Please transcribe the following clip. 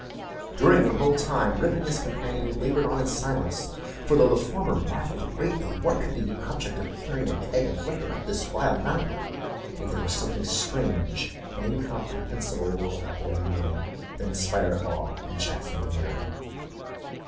During the whole time Rip and his companion had labored on in silence; for though the former marvelled greatly what could be the object of carrying a keg of liquor up this wild mountain, yet there was something strange and incomprehensible about the unknown, that inspired awe and checked familiarity.